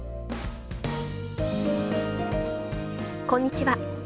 こんにちは。